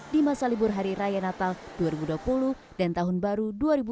di masa libur hari raya natal dua ribu dua puluh dan tahun baru dua ribu dua puluh